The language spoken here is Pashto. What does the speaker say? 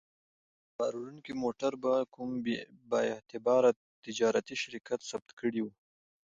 هغه باروړونکی موټر په کوم با اعتباره تجارتي شرکت کې ثبت کړی و.